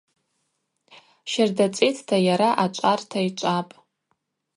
Щарда цӏитӏта йара ачӏварта йчӏвапӏ.